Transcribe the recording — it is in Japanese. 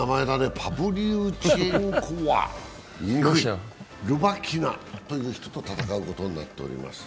パブリウチェンコワ、ルバキナという人と戦うことになっています。